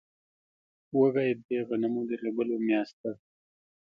وږی د غنمو د رېبلو میاشت ده.